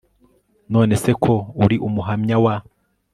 None se ko uri Umuhamya wa